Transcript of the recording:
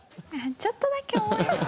ちょっとだけ思いました。